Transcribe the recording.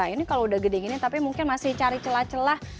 ini kalau udah gede gini tapi mungkin masih cari celah celah